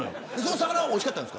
魚はおいしかったんですか。